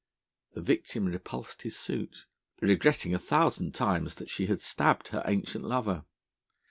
The victim repulsed his suit, regretting a thousand times that she had stabbed her ancient lover.